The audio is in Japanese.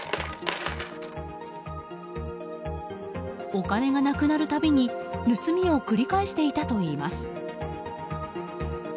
お金がなくなるたびに盗みを繰り返していたといいます。